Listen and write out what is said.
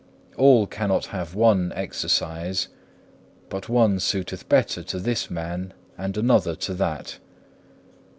All cannot have one exercise, but one suiteth better to this man and another to that.